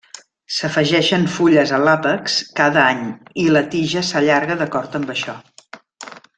S'afegeixen fulles a l'àpex cada any i la tija s'allarga d'acord amb això.